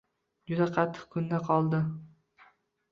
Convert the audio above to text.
Juda qattiq kunda qoldi.